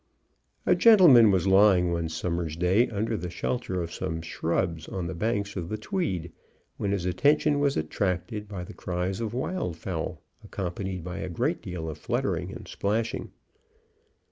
A gentleman was lying one summer's day under the shelter of some shrubs on the banks of the Tweed, when his attention was attracted by the cries of wild fowl, accompanied by a great deal of fluttering and splashing.